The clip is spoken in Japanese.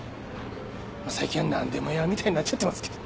まぁ最近は何でも屋みたいになっちゃってますけど。